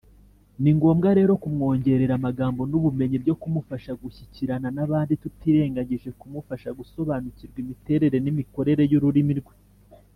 Ni ngombwa rero kumwongerera amagambo n’ubumenyi byo kumufasha gushyikirana n’abandi tutirengagije kumufasha gusobanukirwa imiterere n’imikorere y’ururimi rwe.